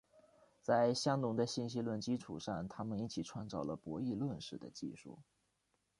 在香农的信息论基础上他们一起创造了博弈论似的技术。